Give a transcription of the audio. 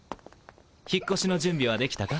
引っ越しの準備はできたか？